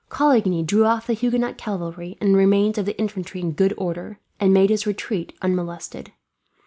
Coligny drew off the Huguenot cavalry and the remains of the infantry in good order, and made his retreat unmolested.